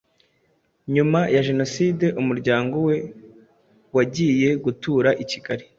Nyuma ya jenoside umuryango we wagiye gutura i Kigali